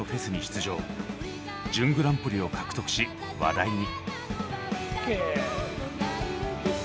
準グランプリを獲得し話題に。